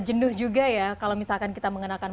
jenduh juga ya kalau misalkan kita mengenakan